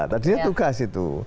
tadinya tugas itu